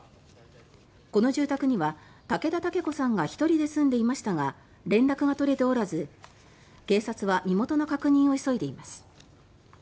この住宅には竹田竹子さんが１人で住んでいましたが連絡が取れておらず、警察は身元の確認を急いでいます。